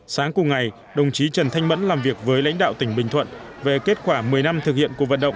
sáng cùng ngày đồng chí trần thanh mẫn làm việc với lãnh đạo tỉnh bình thuận về kết quả một mươi năm thực hiện cuộc vận động